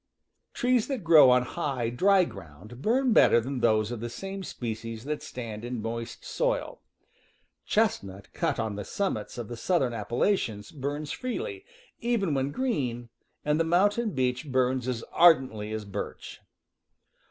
Trees that grow on high, dry ground burn better than those of the same species that stand in moist soil. Chestnut cut on the summits of the southern Appalachians burns freely, even when green, and the mountain beech burns as ardently as birch.